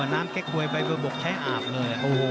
น้ำแก๊คเว้ยไปบุกใช้อาบเลย